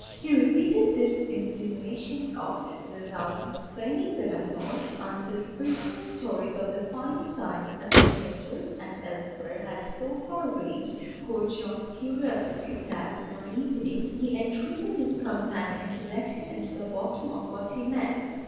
He repeated these insinuations often, without explaining them at all, until frequent stories of the fine sights at the theatres and elsewhere had so far raised poor John's curiosity that one evening he entreated his companion to let him into the bottom of what he meant.